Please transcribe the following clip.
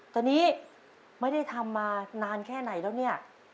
ตอนนี้ไม่ได้ทำมานานแค่ไหนแล้วเนี่ย